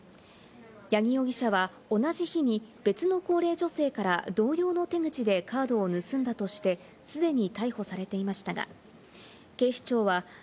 八木容疑者は同じ日に別の高齢女性から同様の手口でカードを盗んだとして、すでに逮捕されていましたが、ミストの日焼け止めと出掛けよう。